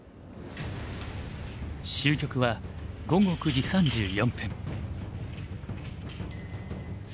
終局は午後９時３４分。